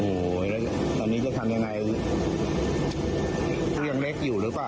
โอ้โหแล้วตอนนี้จะทำยังไงลูกยังเล็กอยู่หรือเปล่า